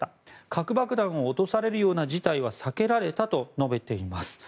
核爆弾を落とされるような事態は避けられたと述べています。